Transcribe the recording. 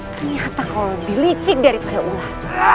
ternyata kau lebih licin daripada ular